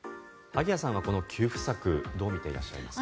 萩谷さんはこの給付策どう見ていらっしゃいますか？